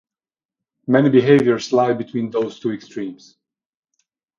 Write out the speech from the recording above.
Many behaviors lie between those two extremes.